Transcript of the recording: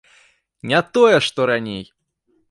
Не тое, што раней!